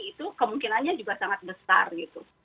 itu kemungkinannya juga sangat besar gitu